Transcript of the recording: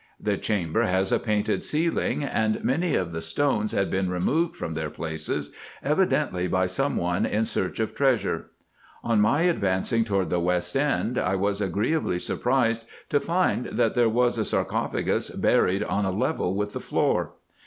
The chamber has a painted ceiling; and many of the stones had been removed from their places, evidently by some one in search of treasure. On my advancing toward the west end, I was agreeably surprised to find, that there was a sarco phagus buried on a level with the floor.